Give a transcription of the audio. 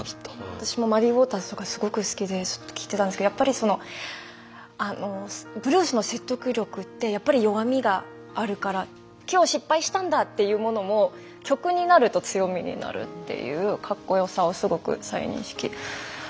私もマディ・ウォーターズとかすごく好きでずっと聴いてたんですけどやっぱりそのブルースの説得力ってやっぱり弱みがあるから今日失敗したんだっていうものも曲になると強みになるっていうかっこよさをすごく再認識させて頂きました。